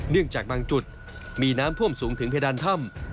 จากบางจุดมีน้ำท่วมสูงถึงเพดานถ้ำ